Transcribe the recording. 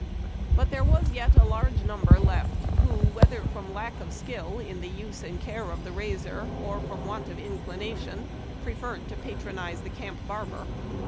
But there was yet a large number left who, whether from lack of skill in the use or care of the razor, or from want LIFE IN LOG HUTS. 89 of inclination, preferred to patronize the camp barber.